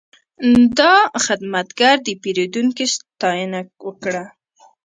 دا خدمتګر د پیرودونکي ستاینه وکړه.